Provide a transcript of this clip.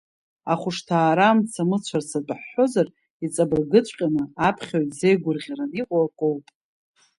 Ахәышҭаара амца мыцәарц атәы ҳҳәозар, иҵабыргыҵәҟьаны, аԥхьаҩ дзеигәырӷьараны иҟоу акоуп.